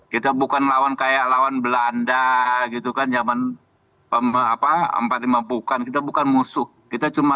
kita bukan lawan kayak lawan belanda gitu kan zaman apa empat puluh lima bukan kita bukan musuh kita cuma